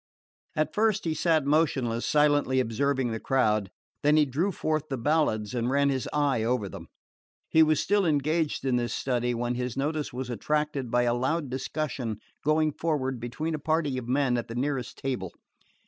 At first he sat motionless, silently observing the crowd; then he drew forth the ballads and ran his eye over them. He was still engaged in this study when his notice was attracted by a loud discussion going forward between a party of men at the nearest table.